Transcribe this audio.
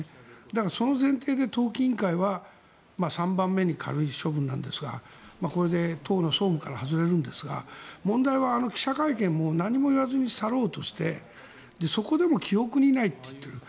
だから、その前提で党紀委員会は３番目に軽い処分なんですがこれで党の総務から外れるんですが問題は、あの記者会見も何も言わずに去ろうとしてそこでも記憶にないって言ってる。